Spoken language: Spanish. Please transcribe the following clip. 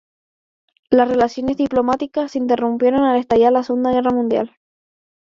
Las relaciones diplomáticas se interrumpieron al estallar la Segunda Guerra Mundial.